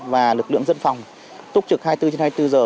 và lực lượng dân phòng túc trực hai mươi bốn trên hai mươi bốn giờ